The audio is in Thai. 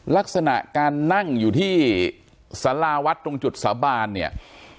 ลักษณะการนั่งอยู่ที่สาราวัดตรงจุดสาบานเนี่ย